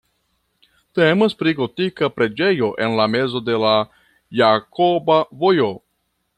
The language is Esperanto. Temas pri gotika preĝejo en la mezo de la Jakoba Vojo.